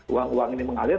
uang uang ini mengalir